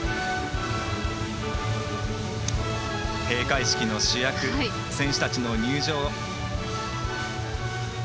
閉会式の主役選手たちの入場。